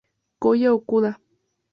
Koya Okuda